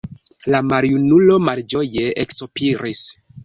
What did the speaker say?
La maljunulo malĝoje eksopiris.